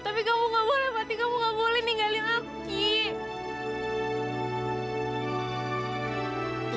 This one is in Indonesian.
tapi kamu gak boleh mati kamu gak boleh ninggalin aku